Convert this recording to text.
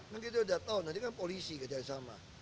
kan kita udah tahu nanti kan polisi kejar sama